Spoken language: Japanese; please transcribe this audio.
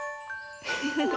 フフフ。